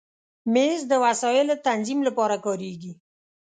مېز د وسایلو تنظیم لپاره کارېږي.